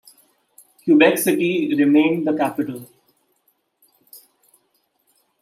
Quebec City remained the capital.